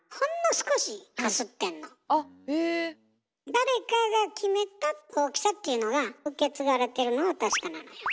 誰かが決めた大きさっていうのが受け継がれてるのは確かなのよ。